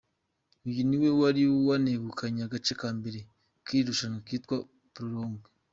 Uyu niwe wari wanegukanye agace ka mbere k’iri rushannwa kitwa Prologue.